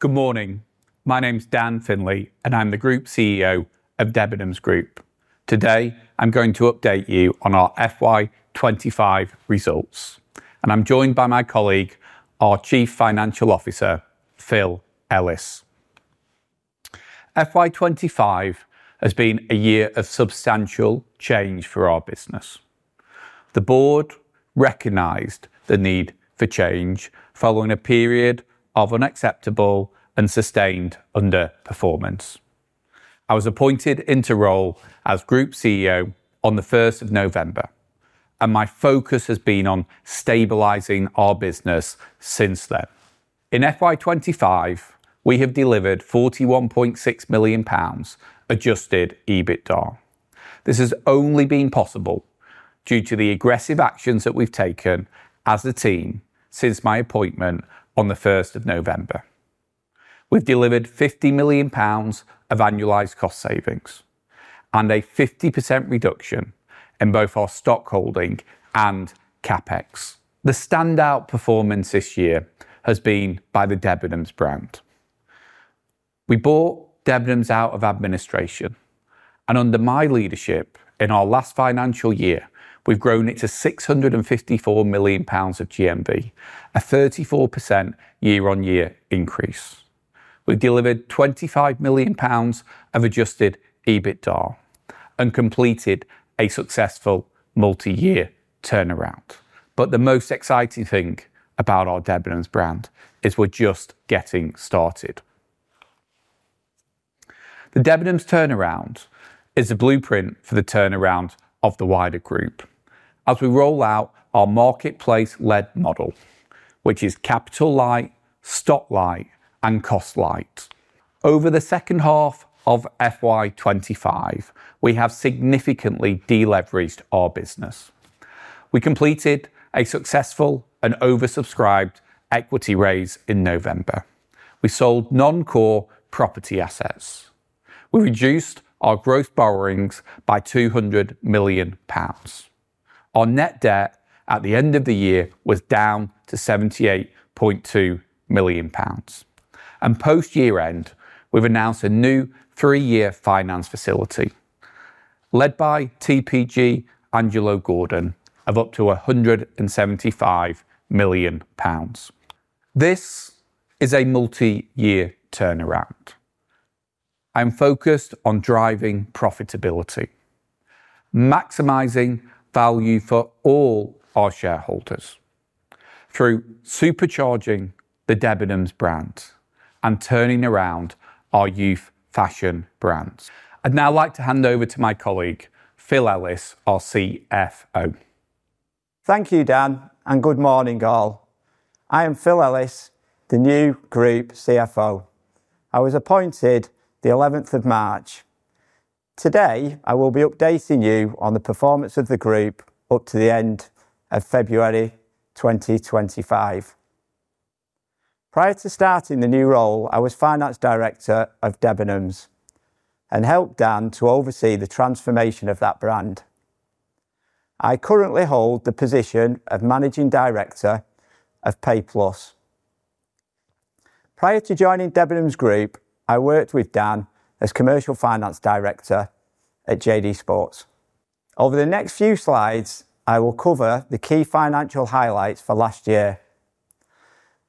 Good morning. My name's Dan Finley, and I'm the Group CEO of Debenhams Group. Today, I'm going to update you on our FY 2025 results, and I'm joined by my colleague, our Chief Financial Officer, Phil Ellis. FY 2025 has been a year of substantial change for our business. The board recognized the need for change following a period of unacceptable and sustained underperformance. I was appointed into the role as Group CEO on the 1st of November, and my focus has been on stabilizing our business since then. In FY 2025, we have delivered 41.6 million pounds Adjusted EBITDA. This has only been possible due to the aggressive actions that we've taken as a team since my appointment on the 1st of November. We've delivered 50 million pounds of annualized cost savings and a 50% reduction in both our stock holding and CapEx. The standout performance this year has been by the Debenhams brand. We bought Debenhams out of administration, and under my leadership, in our last financial year, we've grown it to 654 million pounds of GMV, a 34% year-on-year increase. We've delivered 25 million pounds of Adjusted EBITDA and completed a successful multi-year turnaround. But the most exciting thing about our Debenhams brand is we're just getting started. The Debenhams turnaround is the blueprint for the turnaround of the wider group as we roll out our marketplace-led model, which is capital light, stock light, and cost light. Over the second half of FY 2025, we have significantly deleveraged our business. We completed a successful and oversubscribed equity raise in November. We sold non-core property assets. We reduced our gross borrowings by 200 million pounds. Our net debt at the end of the year was down to 78.2 million pounds. And post-year-end, we've announced a new three-year finance facility led by TPG Angelo Gordon of up to 175 million pounds. This is a multi-year turnaround. I'm focused on driving profitability, maximizing value for all our shareholders through supercharging the Debenhams brand and turning around our youth fashion brands. I'd now like to hand over to my colleague, Phil Ellis, our CFO. Thank you, Dan, and good morning, all. I am Phil Ellis, the new Group CFO. I was appointed the 11th of March. Today, I will be updating you on the performance of the group up to the end of February 2025. Prior to starting the new role, I was Finance Director of Debenhams and helped Dan to oversee the transformation of that brand. I currently hold the position of Managing Director of PayPlus. Prior to joining Debenhams Group, I worked with Dan as Commercial Finance Director at JD Sports. Over the next few slides, I will cover the key financial highlights for last year.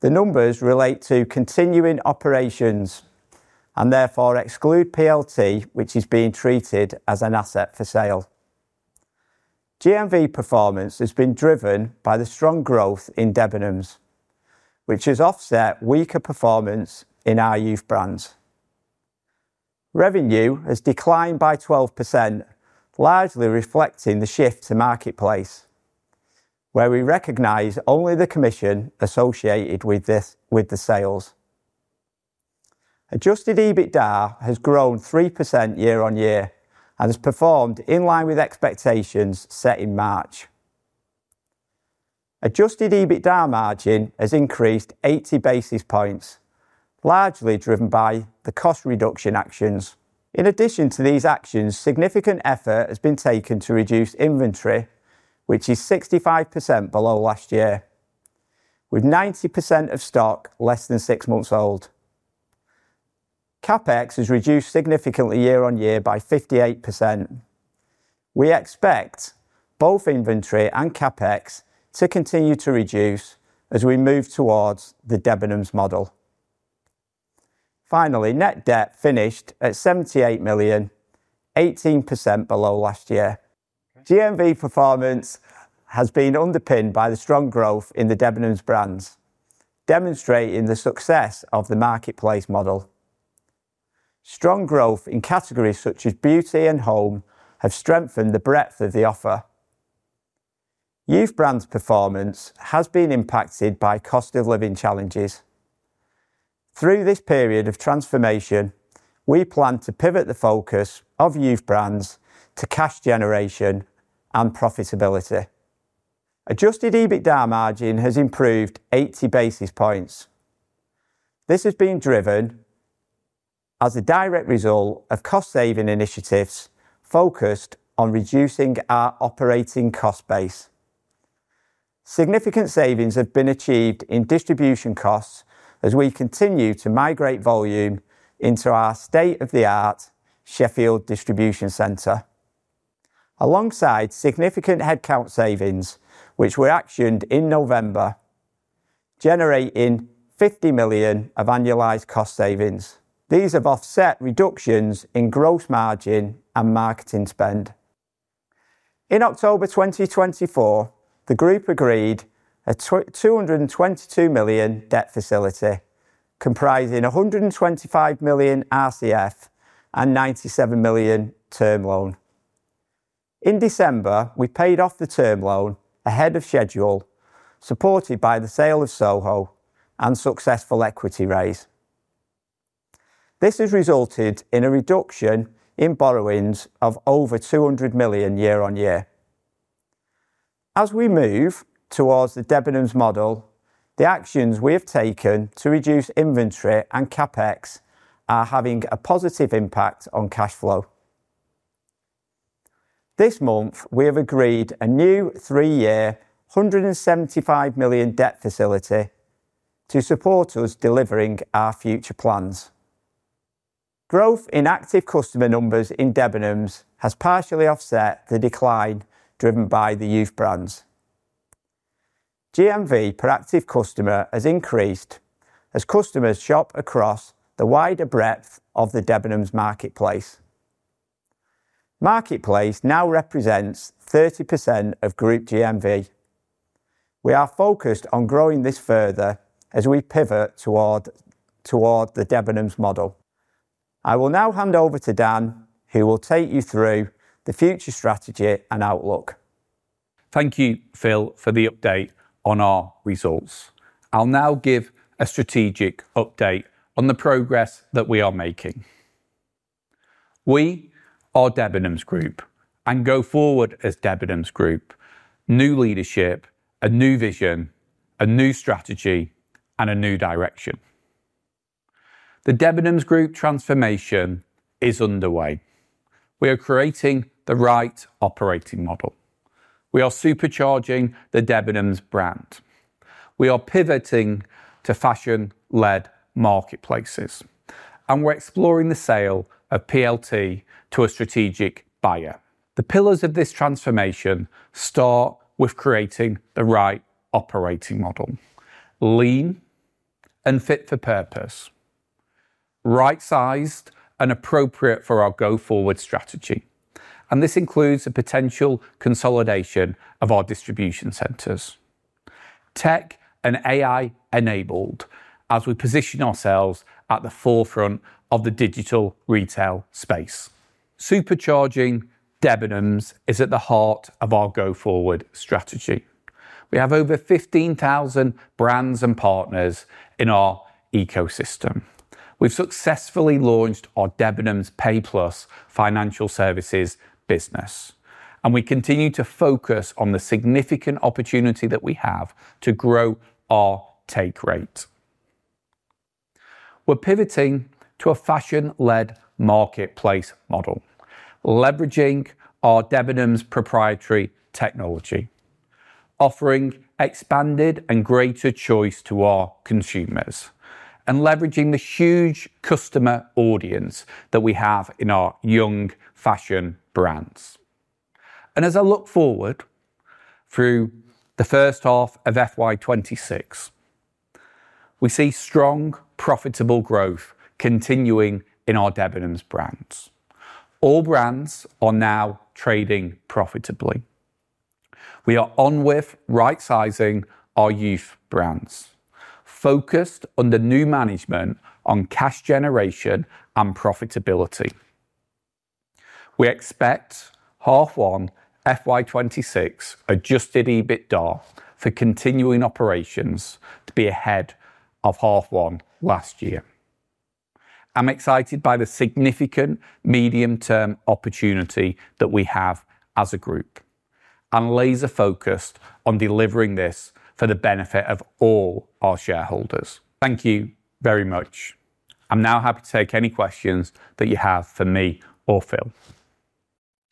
The numbers relate to continuing operations and therefore exclude PLT, which is being treated as an asset for sale. GMV performance has been driven by the strong growth in Debenhams, which has offset weaker performance in our youth brands. Revenue has declined by 12%, largely reflecting the shift to marketplace, where we recognize only the commission associated with the sales. Adjusted EBITDA has grown 3% year-on-year and has performed in line with expectations set in March. Adjusted EBITDA margin has increased 80 basis points, largely driven by the cost reduction actions. In addition to these actions, significant effort has been taken to reduce inventory, which is 65% below last year, with 90% of stock less than six months old. CapEx has reduced significantly year-on-year by 58%. We expect both inventory and CapEx to continue to reduce as we move towards the Debenhams model. Finally, net debt finished at 78 million, 18% below last year. GMV performance has been underpinned by the strong growth in the Debenhams brands, demonstrating the success of the marketplace model. Strong growth in categories such as beauty and home has strengthened the breadth of the offer. Youth brands' performance has been impacted by cost of living challenges. Through this period of transformation, we plan to pivot the focus of youth brands to cash generation and profitability. Adjusted EBITDA margin has improved 80 basis points. This has been driven as a direct result of cost-saving initiatives focused on reducing our operating cost base. Significant savings have been achieved in distribution costs as we continue to migrate volume into our state-of-the-art Sheffield Distribution Centre. Alongside significant headcount savings, which were actioned in November, generating 50 million of annualized cost savings. These have offset reductions in gross margin and marketing spend. In October 2024, the group agreed a 222 million debt facility comprising 125 million RCF and 97 million term loan. In December, we paid off the term loan ahead of schedule, supported by the sale of Soho and successful equity raise. This has resulted in a reduction in borrowings of over 200 million year-on-year. As we move towards the Debenhams model, the actions we have taken to reduce inventory and CapEx are having a positive impact on cash flow. This month, we have agreed a new three-year 175 million debt facility to support us delivering our future plans. Growth in active customer numbers in Debenhams has partially offset the decline driven by the youth brands. GMV per active customer has increased as customers shop across the wider breadth of the Debenhams marketplace. Marketplace now represents 30% of Group GMV. We are focused on growing this further as we pivot toward the Debenhams model. I will now hand over to Dan, who will take you through the future strategy and outlook. Thank you, Phil, for the update on our results. I'll now give a strategic update on the progress that we are making. We are Debenhams Group and going forward as Debenhams Group, new leadership, a new vision, a new strategy, and a new direction. The Debenhams Group transformation is underway. We are creating the right operating model. We are supercharging the Debenhams brand. We are pivoting to fashion-led marketplaces, and we're exploring the sale of PLT to a strategic buyer. The pillars of this transformation start with creating the right operating model: lean and fit for purpose, right-sized and appropriate for our go-forward strategy. This includes the potential consolidation of our distribution centers, tech and AI-enabled, as we position ourselves at the forefront of the digital retail space. Supercharging Debenhams is at the heart of our go-forward strategy. We have over 15,000 brands and partners in our ecosystem. We've successfully launched our Debenhams PayPlus financial services business, and we continue to focus on the significant opportunity that we have to grow our take rate. We're pivoting to a fashion-led marketplace model, leveraging our Debenhams proprietary technology, offering expanded and greater choice to our consumers, and leveraging the huge customer audience that we have in our young fashion brands. As I look forward through the first half of FY 2026, we see strong, profitable growth continuing in our Debenhams brands. All brands are now trading profitably. We are on with right-sizing our youth brands, focused on the new management on cash generation and profitability. We expect H1 FY 2026 Adjusted EBITDA for continuing operations to be ahead of H1 last year. I'm excited by the significant medium-term opportunity that we have as a group and laser-focused on delivering this for the benefit of all our shareholders. Thank you very much. I'm now happy to take any questions that you have for me or Phil.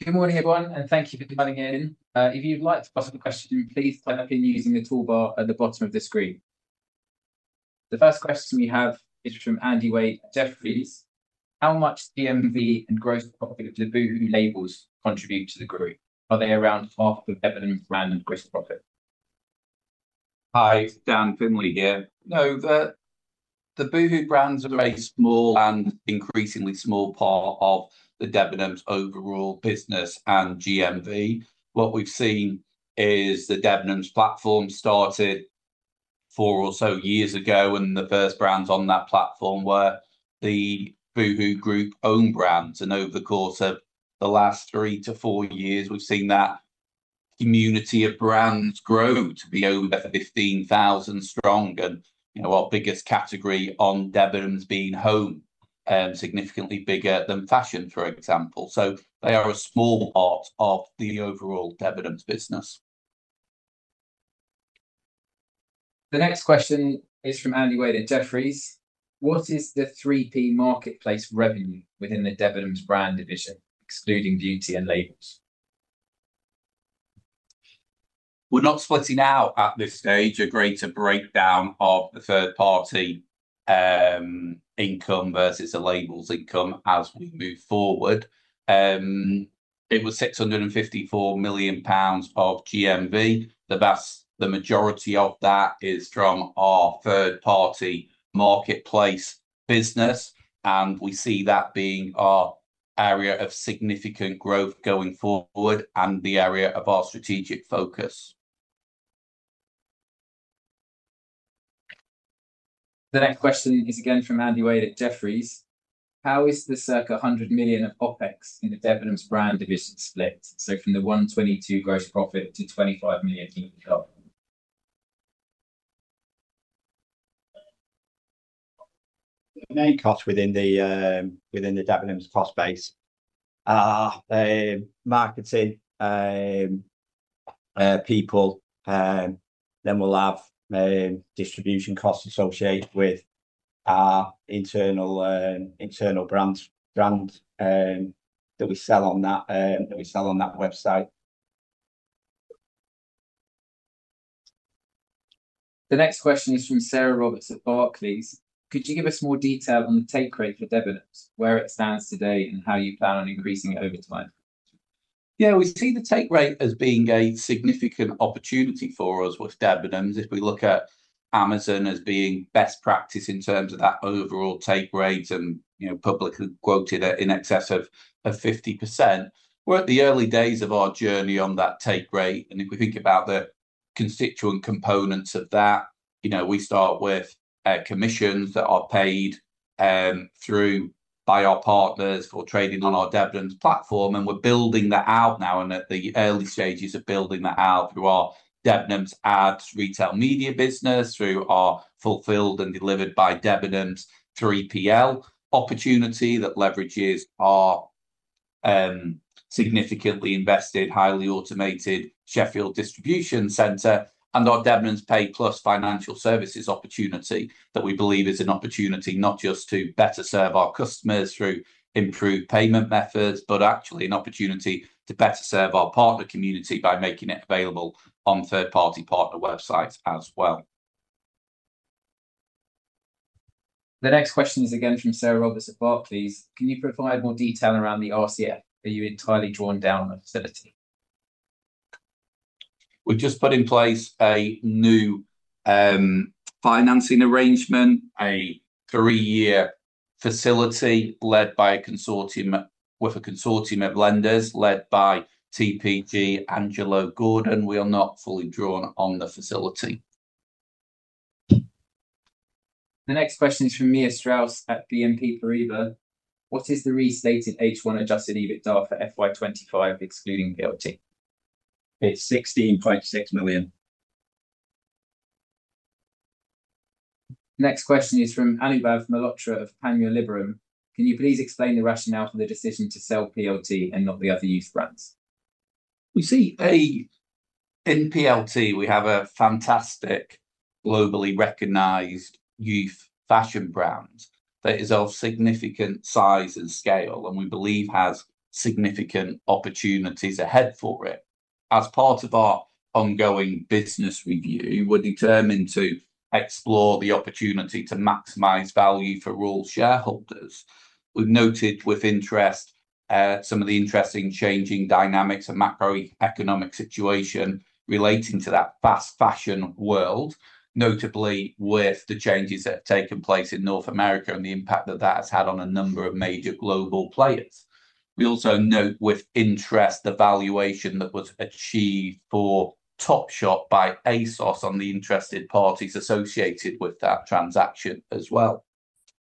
Good morning, everyone, and thank you for joining in. If you'd like to ask a question, please type in using the toolbar at the bottom of the screen. The first question we have is from Andrew Wade at Jefferies. How much GMV and gross profit of the Boohoo labels contribute to the group? Are they around half of Debenhams brand gross profit? Hi, Dan Finley here. No, the Boohoo brands are a small and increasingly small part of the Debenhams overall business and GMV. What we've seen is the Debenhams platform started four or so years ago, and the first brands on that platform were the Boohoo Group-owned brands. And over the course of the last three to four years, we've seen that community of brands grow to be over 15,000 strong. And our biggest category on Debenhams being home and significantly bigger than fashion, for example. So they are a small part of the overall Debenhams business. The next question is from Andrew Wade at Jefferies. What is the 3P marketplace revenue within the Debenhams brand division, excluding beauty and labels? We're not spelling out at this stage a greater breakdown of the third-party income versus the labels' income as we move forward. It was 654 million pounds of GMV. The majority of that is from our third-party marketplace business, and we see that being our area of significant growth going forward and the area of our strategic focus. The next question is again from Andrew Wade at Jefferies. How is the circa 100 million of OpEx in the Debenhams brand division split? So from the 122 gross profit to 25 million? The main cost within the Debenhams cost base: marketing, people. Then we'll have distribution costs associated with our internal brand that we sell on that website. The next question is from Sarah Roberts at Barclays. Could you give us more detail on the take rate for Debenhams, where it stands today, and how you plan on increasing it over time? Yeah, we see the take rate as being a significant opportunity for us with Debenhams. If we look at Amazon as being best practice in terms of that overall take rate and publicly quoted in excess of 50%, we're at the early days of our journey on that take rate. And if we think about the constituent components of that, we start with commissions that are paid through by our partners for trading on our Debenhams platform. We're building that out now and at the early stages of building that out through our Debenhams Ads retail media business, through our fulfilled and delivered by Debenhams 3PL opportunity that leverages our significantly invested, highly automated Sheffield Distribution Center and our Debenhams PayPlus financial services opportunity that we believe is an opportunity not just to better serve our customers through improved payment methods, but actually an opportunity to better serve our partner community by making it available on third-party partner websites as well. The next question is again from Sarah Roberts at Barclays. Can you provide more detail around the RCF that you have entirely drawn down on the facility? We've just put in place a new financing arrangement, a three-year facility led by a consortium of lenders led by TPG Angelo Gordon. We are not fully drawn on the facility. The next question is from Mia Strauss at BNP Paribas. What is the restated H1 Adjusted EBITDA for FY 2025, excluding PLT? It's GBP 16.6 million. Next question is from Anubhav Malhotra of Panmure Liberum. Can you please explain the rationale for the decision to sell PLT and not the other youth brands? We see in PLT we have a fantastic, globally recognized youth fashion brand that is of significant size and scale and we believe has significant opportunities ahead for it. As part of our ongoing business review, we're determined to explore the opportunity to maximize value for all shareholders. We've noted with interest some of the interesting changing dynamics and macroeconomic situation relating to that fast fashion world, notably with the changes that have taken place in North America and the impact that that has had on a number of major global players. We also note with interest the valuation that was achieved for Topshop by ASOS on the interested parties associated with that transaction as well.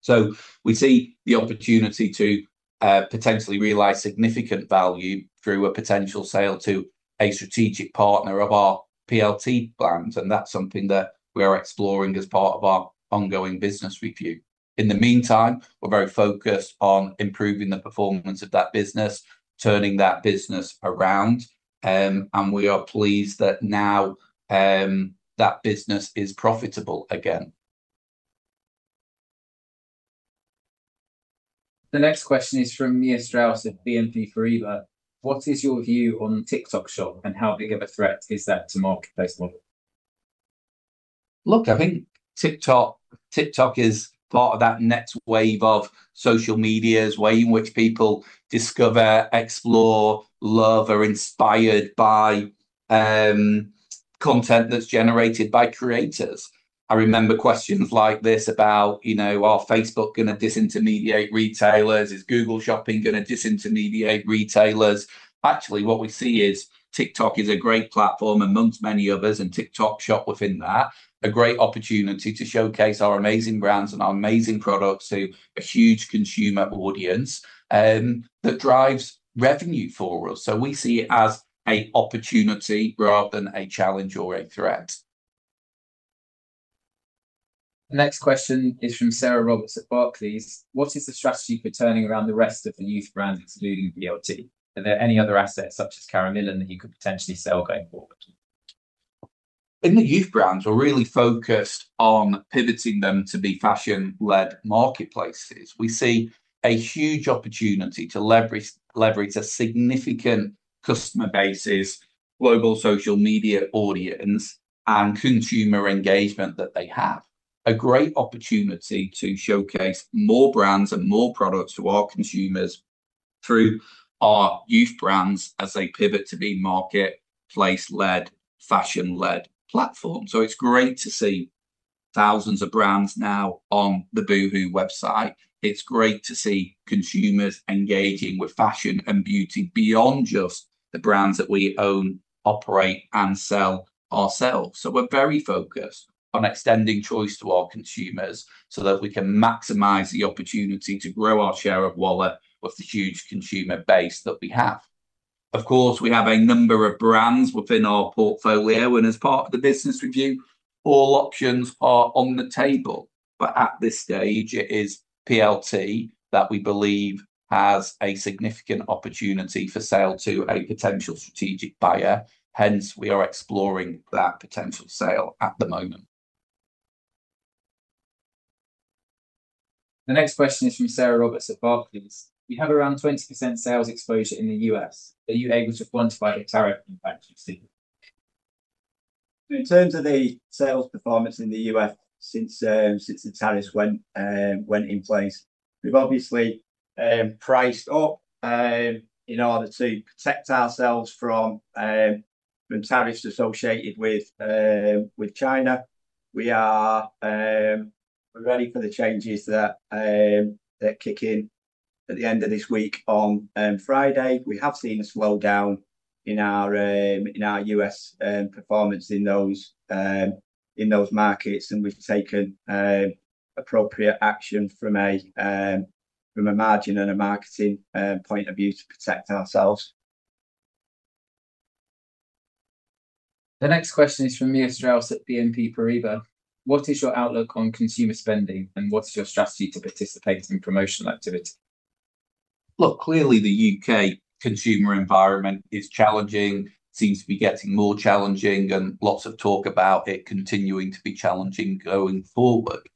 So we see the opportunity to potentially realize significant value through a potential sale to a strategic partner of our PLT brands, and that's something that we are exploring as part of our ongoing business review. In the meantime, we're very focused on improving the performance of that business, turning that business around, and we are pleased that now that business is profitable again. The next question is from Mia Strauss at BNP Paribas. What is your view on TikTok Shop and how big of a threat is that to marketplace model? Look, I think TikTok is part of that next wave of social media's way in which people discover, explore, love, are inspired by content that's generated by creators. I remember questions like this about, you know, are Facebook going to disintermediate retailers? Is Google Shopping going to disintermediate retailers? Actually, what we see is TikTok is a great platform, amongst many others, and TikTok Shop within that, a great opportunity to showcase our amazing brands and our amazing products to a huge consumer audience that drives revenue for us. So we see it as an opportunity rather than a challenge or a threat. The next question is from Sarah Roberts at Barclays. What is the strategy for turning around the rest of the youth brand, excluding PLT? Are there any other assets, such as Karen Millen, that you could potentially sell going forward? In the youth brands, we're really focused on pivoting them to be fashion-led marketplaces. We see a huge opportunity to leverage a significant customer base, global social media audience, and consumer engagement that they have. A great opportunity to showcase more brands and more products to our consumers through our youth brands as they pivot to be marketplace-led, fashion-led platforms. So it's great to see thousands of brands now on the Boohoo website. It's great to see consumers engaging with fashion and beauty beyond just the brands that we own, operate, and sell ourselves. So we're very focused on extending choice to our consumers so that we can maximize the opportunity to grow our share of wallet with the huge consumer base that we have. Of course, we have a number of brands within our portfolio, and as part of the business review, all options are on the table. But at this stage, it is PLT that we believe has a significant opportunity for sale to a potential strategic buyer. Hence, we are exploring that potential sale at the moment. The next question is from Sarah Roberts at Barclays. We have around 20% sales exposure in the U.S. Are you able to quantify the tariff impact you've seen? In terms of the sales performance in the U.S. since the tariffs went in place, we've obviously priced up in order to protect ourselves from tariffs associated with China. We are ready for the changes that kick in at the end of this week on Friday. We have seen a slowdown in our U.S. performance in those markets, and we've taken appropriate action from a margin and a marketing point of view to protect ourselves. The next question is from Mia Strauss at BNP Paribas. What is your outlook on consumer spending, and what is your strategy to participate in promotional activity? Look, clearly the U.K. consumer environment is challenging, seems to be getting more challenging, and lots of talk about it continuing to be challenging going forward.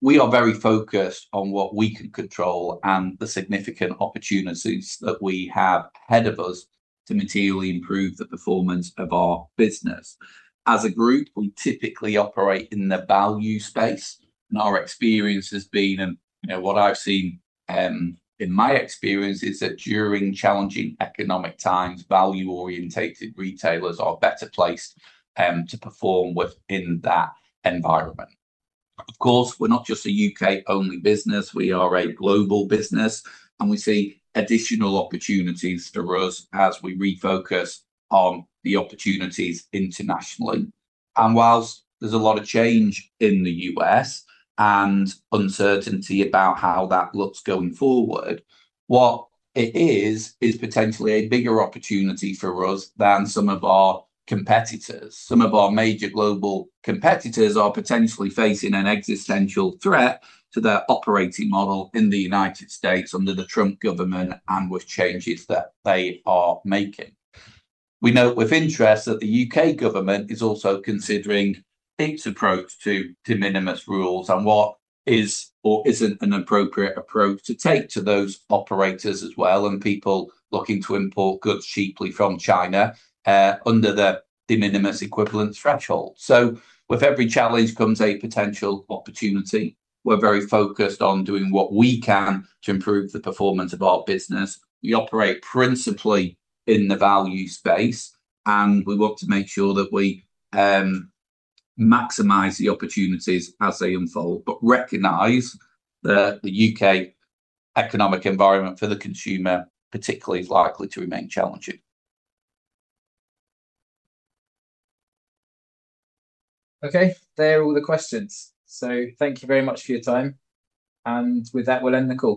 We are very focused on what we can control and the significant opportunities that we have ahead of us to materially improve the performance of our business. As a group, we typically operate in the value space, and our experience has been, and what I've seen in my experience is that during challenging economic times, value-oriented retailers are better placed to perform within that environment. Of course, we're not just a U.K.-only business. We are a global business, and we see additional opportunities for us as we refocus on the opportunities internationally. While there's a lot of change in the U.S. and uncertainty about how that looks going forward, what it is, is potentially a bigger opportunity for us than some of our competitors. Some of our major global competitors are potentially facing an existential threat to their operating model in the United States under the Trump government and with changes that they are making. We note with interest that the U.K. government is also considering its approach to de minimis rules and what is or isn't an appropriate approach to take to those operators as well and people looking to import goods cheaply from China under the de minimis equivalence threshold. With every challenge comes a potential opportunity. We're very focused on doing what we can to improve the performance of our business. We operate principally in the value space, and we want to make sure that we maximize the opportunities as they unfold, but recognize that the U.K. economic environment for the consumer particularly is likely to remain challenging. Okay, that's all the questions. Thank you very much for your time. With that, we'll end the call.